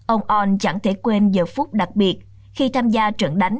ông on chẳng thể quên giờ phút đặc biệt khi tham gia trận đánh